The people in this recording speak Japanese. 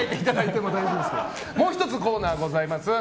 もう１つ、コーナーがございます。